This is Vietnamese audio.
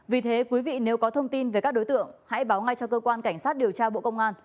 vì thế quý vị nếu có thông tin về các đối tượng hãy báo ngay cho cơ quan cảnh sát điều tra bộ công an